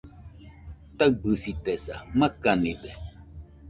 Taɨbɨsitesa , makanide